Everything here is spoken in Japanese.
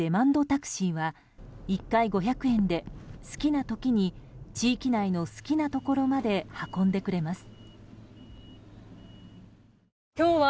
タクシーは１回５００円で好きな時に地域内の好きなところまで運んでくれます。